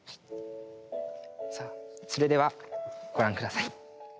さあそれではご覧下さい。